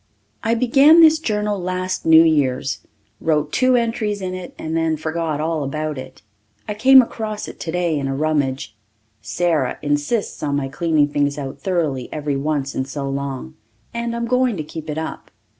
I began this journal last New Year's wrote two entries in it and then forgot all about it. I came across it today in a rummage Sara insists on my cleaning things out thoroughly every once in so long and I'm going to keep it up.